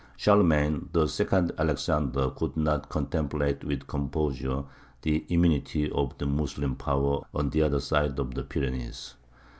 Charlemagne, the second Alexander, could not contemplate with composure the immunity of the Moslem power on the other side of the Pyrenees.